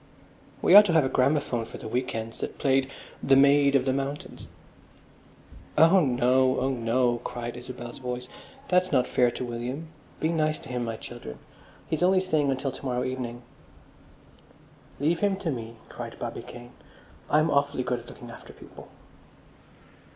"We ought to have a gramophone for the week ends that played 'The Maid of the Mountains.'" "Oh no! Oh no!" cried Isabel's voice. "That's not fair to William. Be nice to him, my children! He's only staying until to morrow evening." "Leave him to me," cried Bobby Kane. "I'm awfully good at looking after people."